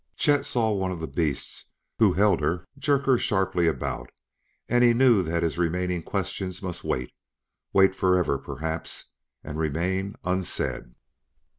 Chet saw one of the beasts who held her jerk her sharply about, and he knew that his remaining questions must wait wait forever, perhaps, and remain unsaid.